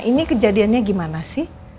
ini kejadiannya gimana sih